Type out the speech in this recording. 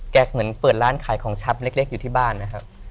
เหมือนเปิดร้านขายของชำเล็กอยู่ที่บ้านนะครับ